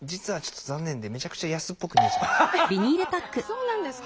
そうなんですか？